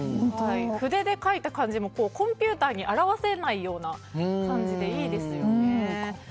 筆で書いた感じもコンピューターで表せないような感じでいいですよね。